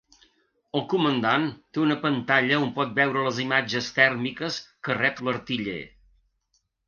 El comandant té una pantalla on pot veure les imatges tèrmiques que rep l'artiller.